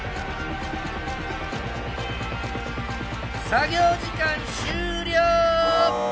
作業時間終了！